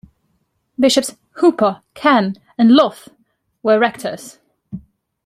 Bishops Hooper, Ken, and Lowth were rectors.